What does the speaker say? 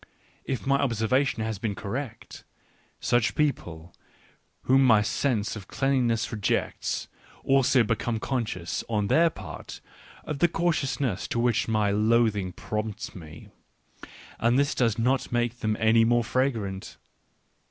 If my observation has been correct, such people, whom my sense of cleanliness rejects, also become conscious, on their part, of the cautiousness to which my loathing prompts me: and this does not make them any more fragrant.